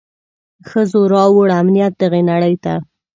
ښځو راووړ امنيت دغي نړۍ ته.